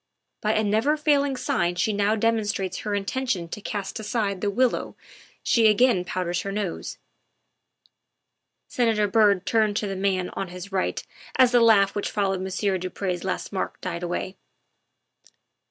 By a never failing sign she now demonstrates her intention to cast aside the willow she again powders her nose." Senator Byrd turned to the man on his right as the laugh which followed Monsieur du Pre's last remark died away.